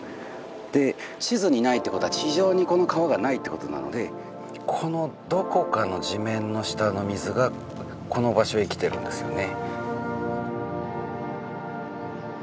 で地図にないってことは地上にこの川がないってことなのでこのどこかの地面の下の水がこの場所へ来てるんですよね。